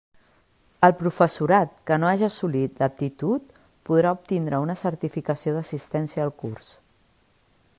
El professorat que no haja assolit l'aptitud podrà obtindre una certificació d'assistència al curs.